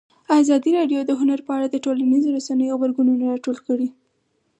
ازادي راډیو د هنر په اړه د ټولنیزو رسنیو غبرګونونه راټول کړي.